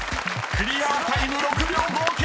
［クリアタイム６秒５９］